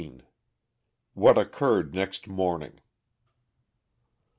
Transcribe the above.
_What Occurred Next Morning.